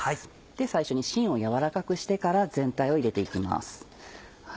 最初にしんをやわらかくしてから全体を入れて行きます。